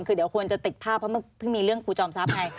คือเดี๋ยวควรจะติดภาพเพราะมันเพิ่งมีเรื่องครูจอมทรัพย์ไง